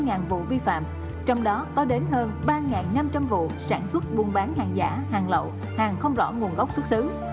ngàn vụ vi phạm trong đó có đến hơn ba năm trăm linh vụ sản xuất buôn bán hàng giả hàng lậu hàng không rõ nguồn gốc xuất xứ